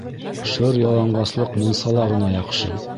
Шыр яланғаслыҡ мунсала ғына яҡшы.